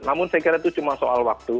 namun saya kira itu cuma soal waktu